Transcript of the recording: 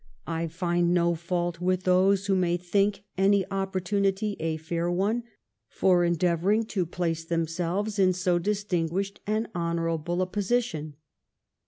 187 fore I And no fault* with those who may think any opportunity a fair one for endeavonring to place themselveB in bo distinguished and honourable a position.